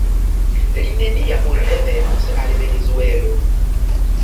Li neniam revenos al Venezuelo.